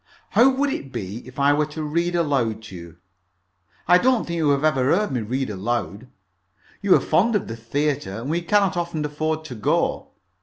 "How would it be if I were to read aloud to you? I don't think you have ever heard me read aloud. You are fond of the theatre, and we cannot often afford to go.